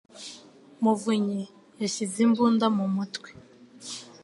muvunyi yashyize imbunda mu mutwe.